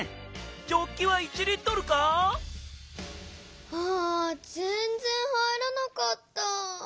ジョッキは１Ｌか⁉あぜんぜん入らなかった。